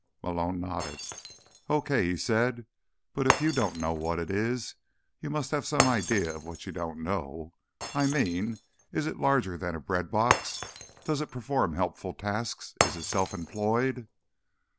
Malone nodded. "Okay," he said. "But if you don't know what it is, you must have some idea of what you don't know. I mean, is it larger than a breadbox? Does it perform helpful tasks? Is it self employed?"